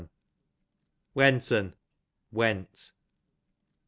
Went'n, went.